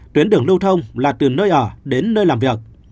tuyến đường lưu thông là từ nơi ở đến nơi làm việc